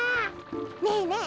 ねえねえ